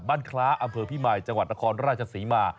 คล้าอำเภอพิมายจังหวัดนครราชศรีมา